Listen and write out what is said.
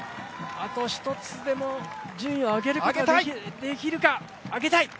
あと一つでも順位を上げることができるか、上げたい。